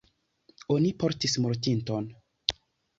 Oni portis mortinton.